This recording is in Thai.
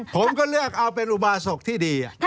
ผมก็เลือกเอาเป็นอุบาสกที่ดี